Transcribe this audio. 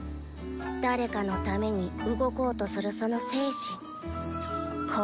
誰かのために動こうとするその精神行動力。